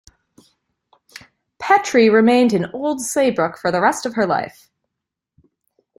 Petry remained in Old Saybrook for the rest of her life.